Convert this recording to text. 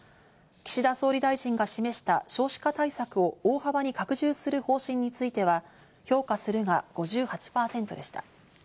岸田総理大臣が示した少子化対策を大幅に拡充する方針については、評価するが５８％でした。